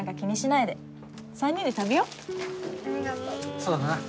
そうだな。